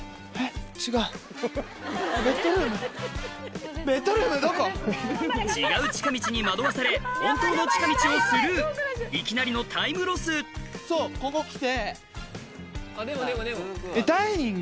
違う近道に惑わされ本当の近道をスルーいきなりのタイムロスそうここ来て。